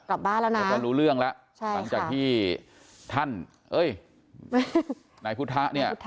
กลับบ้านแล้วนะก็รู้เรื่องแล้วหลังจากที่ท่านเอ้ยนายพุทธะเนี่ย